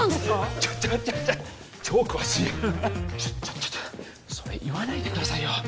ちょっちょっ超詳しいちょっちょっそれ言わないでくださいよ